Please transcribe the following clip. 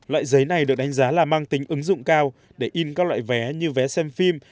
loại giấy này được đánh giá là mang tính ứng dụng cao để in các loại vé như vé xem phim